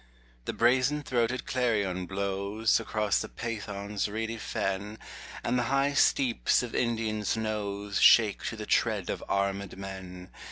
The brazen throated clarion blows Across the Pathan's reedy fen, And the high steeps of Indian snows Shake to the tread of arm6d men.